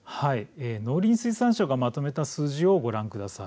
農林水産省がまとめた数字をご覧ください。